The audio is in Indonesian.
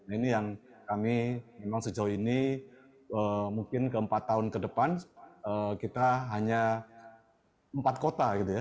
ini yang kami memang sejauh ini mungkin ke empat tahun ke depan kita hanya empat kota gitu ya